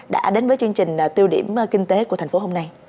đã đến với chương trình tiêu điểm kinh tế của thành phố hôm nay